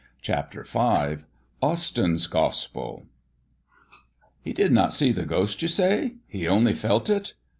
CHAPTER V AUSTYN'S GOSPEL "He did not see the ghost, you say; he only felt it?